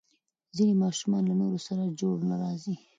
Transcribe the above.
ځینې ماشومان له نورو سره جوړ نه راځي.